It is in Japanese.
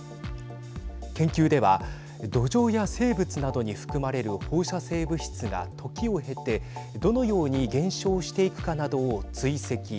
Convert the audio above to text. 研究では土壌や生物などに含まれる放射性物質が時を経てどのように減少していくかなどを追跡。